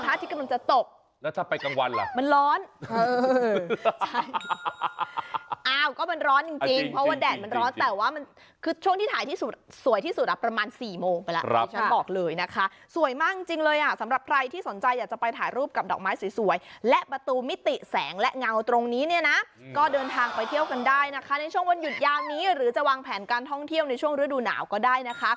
ตอนพระอาทิตย์กำลังจะตกแล้วถ้าไปกลางวันเหรอมันร้อน